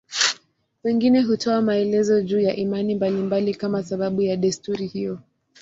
Wengine hutoa maelezo juu ya imani mbalimbali kama sababu ya desturi hiyo.